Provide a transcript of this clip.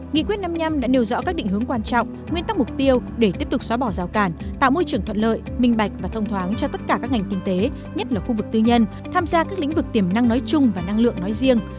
nghị quyết năm mươi năm đã nêu rõ các định hướng quan trọng nguyên tắc mục tiêu để tiếp tục xóa bỏ rào cản tạo môi trường thuận lợi minh bạch và thông thoáng cho tất cả các ngành kinh tế nhất là khu vực tư nhân tham gia các lĩnh vực tiềm năng nói chung và năng lượng nói riêng